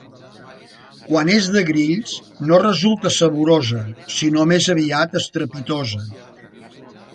Quan és de grills no resulta saborosa, sinó més aviat estrepitosa.